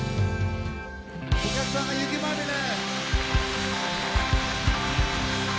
お客さんが雪まみれ。